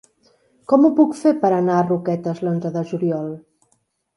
Com ho puc fer per anar a Roquetes l'onze de juliol?